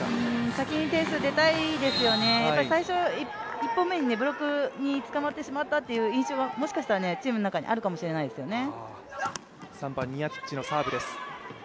先に点数入れたいですよね、最初１本目にブロックに捕まってしまったという印象はチームの中にあるかもしれないですよね。